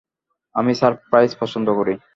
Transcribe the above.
আমি সারপ্রাইজ পছন্দ করি।